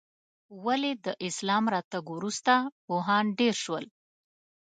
ولې د اسلام راتګ وروسته پوهان ډېر شول؟